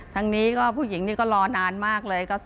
ทั้งนี้ก็ผู้หญิงนี่ก็รอนานมากเลย